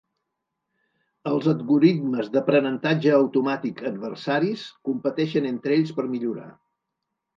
Els algoritmes d'aprenentatge automàtic adversaris competeixen entre ells per millorar.